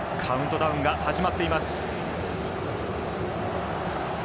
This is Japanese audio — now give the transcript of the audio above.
カウントダウンが始まっています。